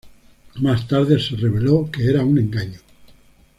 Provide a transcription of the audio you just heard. Más tarde se reveló que era un engaño.